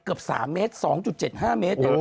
เกือบ๓เมตร๒๗๕เมตร